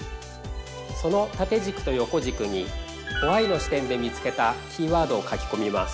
その縦軸と横軸にＷＨＹの視点で見つけたキーワードを書きこみます。